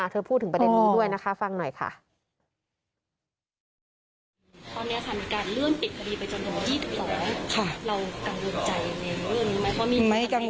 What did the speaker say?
พูดถึงประเด็นนี้ด้วยนะคะฟังหน่อยค่ะ